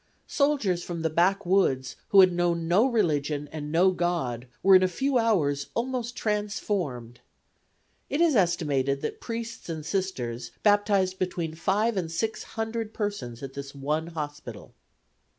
Soldiers from the backwoods who had known no religion and no God were in a few hours almost transformed. It is estimated that priests and Sisters baptized between five and six hundred persons at this one hospital.